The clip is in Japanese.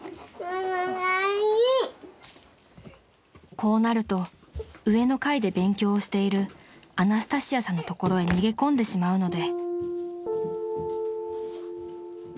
［こうなると上の階で勉強をしているアナスタシアさんの所へ逃げ込んでしまうので］